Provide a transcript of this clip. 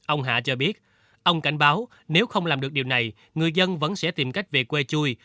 ông hạ cho biết ông cảnh báo nếu không làm được điều này người dân vẫn sẽ tìm cách về quê chui